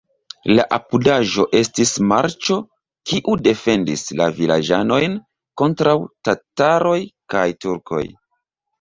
La apudaĵo estis marĉo, kiu defendis la vilaĝanojn kontraŭ tataroj kaj turkoj.